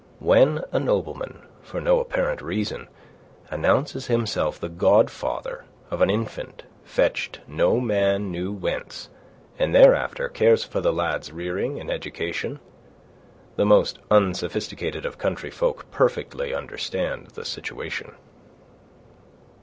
When a nobleman, for no apparent reason, announces himself the godfather of an infant fetched no man knew whence, and thereafter cares for the lad's rearing and education, the most unsophisticated of country folk perfectly understand the situation.